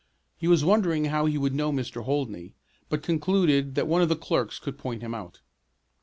He was wondering how he would know Mr. Holdney, but concluded that one of the clerks could point him out.